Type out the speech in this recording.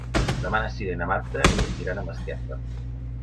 Demà na Cira i na Marta iran a Masquefa.